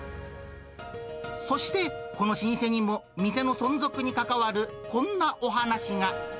そして、この老舗にも店の存続に関わるこんなお話が。